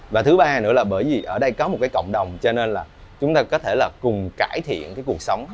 và thứ ba nữa là bởi vì ở đây có một cộng đồng cho nên là chúng ta có thể cùng cải thiện cuộc sống